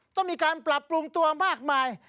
ต้องมีการปรับปรุงตัวมากมาย